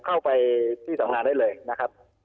เข้าไปที่สำนักกฎหมายได้เลยนะครับ